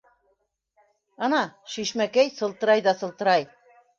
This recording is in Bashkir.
Ана, шишмәкәй сылтырай ҙа сылтырай.